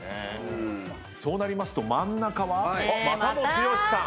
そうなりますと真ん中はあっまたも剛さん！